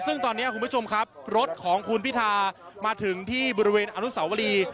ซึ่งตอนนี้คุณผู้ชมครับรถของคุณพิธามาถึงที่บริเวณอนุสาวรี